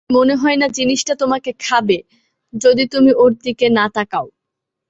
আমার মনে হয় না জিনিসটা তোমাকে খাবে যদি তুমি ওর দিকে না তাকাও।